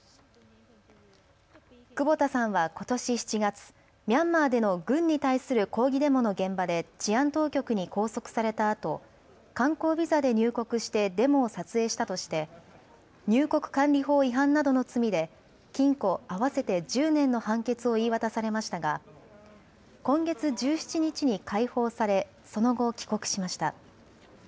久保田さんはことし７月、ミャンマーでの軍に対する抗議デモの現場で治安当局に拘束されたあと、観光ビザで入国してデモを撮影したとして入国管理法違反などの罪で禁錮合わせて１０年の判決を言い渡されましたが今月１７日に解放されその後、帰国しました。